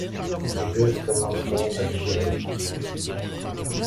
Des gueuses commenceront à digérer.